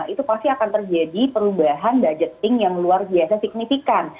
itu pasti akan terjadi perubahan budgeting yang luar biasa signifikan